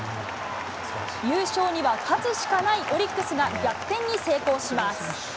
優勝には勝つしかないオリックスが、逆転に成功します。